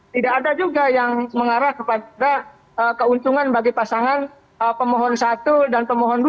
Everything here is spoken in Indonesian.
tidak ada juga yang mengarah kepada keuntungan bagi pasangan pemohon satu dan pemohon dua